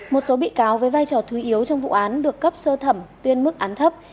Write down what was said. một số bị cáo với vai trò thú yếu trong vụ án được cấp sơ thẩm tuyên mức án thấp